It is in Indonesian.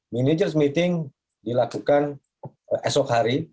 mini news meeting dilakukan esok hari